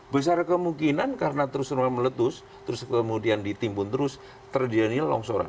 besar kemungkinan karena terus menerus meletus terus kemudian ditimpun terus terjadinya longsoran